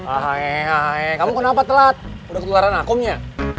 ahe kamu kenapa telat udah ketularan akungnya